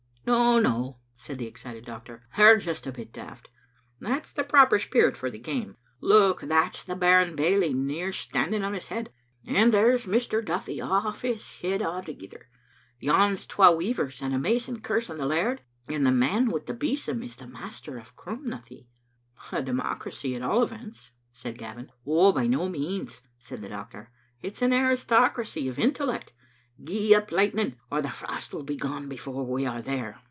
"No, no," said the excited doctor, "they are just a bit daft. That's the proper spirit for the game. Look, that's the baron bailie near standing on his head, and there's Mr. Duthie off his head a' thegither. Yon's twa weavers and a mason cursing the laird, and the man wl' the besom is the Master of Crumnathie." A democracy, at all events," said Gavin. "By no means," said the doctor, "it's an aristocracy of intellect. Gee up, Lightning, or the frost will be gone before we are there.